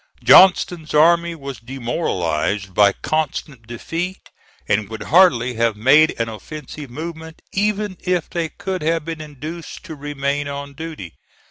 Johnston's army was demoralized by constant defeat and would hardly have made an offensive movement, even if they could have been induced to remain on duty.